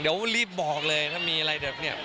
เดี๋ยวรีบบอกเลยถ้ามีอะไรแบบนี้